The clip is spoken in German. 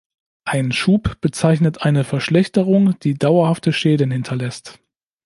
Ein Schub bezeichnet eine Verschlechterung die dauerhafte Schäden hinterlässt.